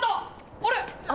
あれ？